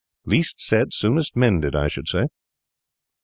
Least said soonest mended, I should say.